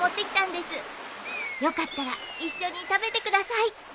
よかったら一緒に食べてください。